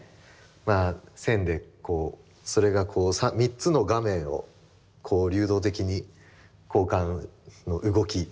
まあ線でそれがこう３つの画面を流動的に交換の動き